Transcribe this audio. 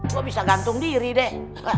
gua bisa gantung diri deh